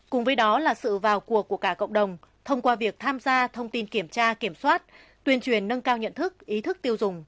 cùng với đó là sự vào cuộc của cả cộng đồng thông qua việc tham gia thông tin kiểm tra kiểm soát tuyên truyền nâng cao nhận thức ý thức tiêu dùng